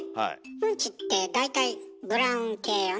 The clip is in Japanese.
うんちって大体ブラウン系よね。